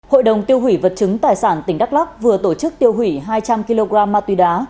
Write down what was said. hội đồng tiêu hủy vật chứng tài sản tỉnh đắk lắc vừa tổ chức tiêu hủy hai trăm linh kg ma túy đá